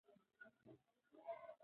که حل ونه ټاکل شي نو پلان ناکامېږي.